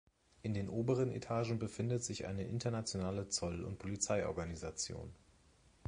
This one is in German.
In den oberen Etagen befindet sich eine internationale Zoll- und Polizeiorganisation.